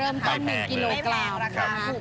เริ่มทาง๑กิโลกรัม